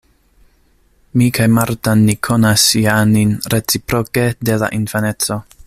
Mi kaj Marta ni konas ja nin reciproke de la infaneco.